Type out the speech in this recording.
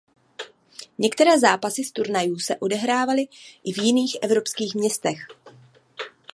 Některé zápasy z turnajů se odehrávaly i v jiných evropských městech.